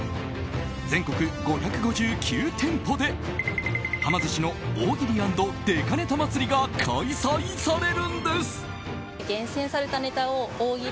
全国５５９店舗ではま寿司の大切り＆でかねた祭りが開催されるんです。